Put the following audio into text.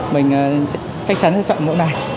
mình chắc chắn sẽ chọn mẫu này